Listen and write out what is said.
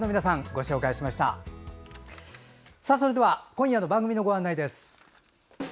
今夜の番組のご案内です。